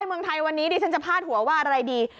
อาจารย์ในเมืองไทยวันนี้สนจะพาดหัวว่าอะไรดี